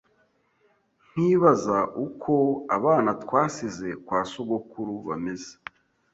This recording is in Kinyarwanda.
nkibaza uko abana twasize kwa sogokuru bameze,